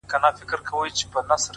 صبر د بریا د پخېدو موسم دی’